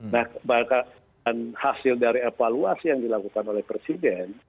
nah bahkan hasil dari evaluasi yang dilakukan oleh presiden